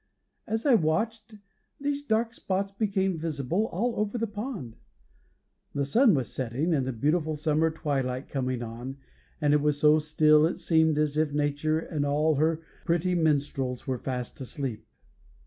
As I watched, these dark spots became visible all over the pond. The sun was setting, and the beautiful summer twilight coming on, and it was so still it seemed as if Nature and all her pretty minstrels were fast asleep.